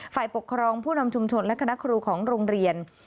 ฝ่ายปกครองผู้นำชุมชนและคณะครูของโรงเรียน